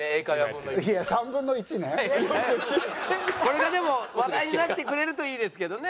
これがでも話題になってくれるといいですけどね。